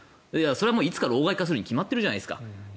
それもいつか老害化するに決まっているじゃないですか。